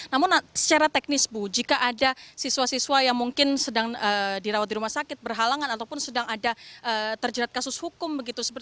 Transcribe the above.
namun secara teknis bu jika ada siswa siswa yang mungkin sedang dirawat di rumah sakit berhalangan ataupun sedang ada terjerat kasus hukum begitu